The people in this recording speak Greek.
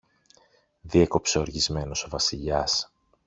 διέκοψε οργισμένος ο Βασιλιάς.